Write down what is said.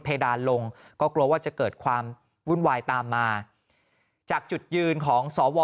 ดานลงก็กลัวว่าจะเกิดความวุ่นวายตามมาจากจุดยืนของสว